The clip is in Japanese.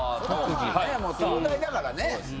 東大だからね。